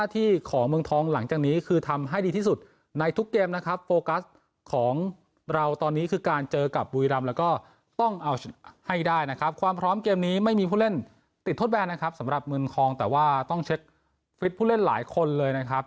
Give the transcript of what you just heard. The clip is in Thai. แต่ว่าต้องเช็คฟิตผู้เล่นหลายคนเลยนะครับ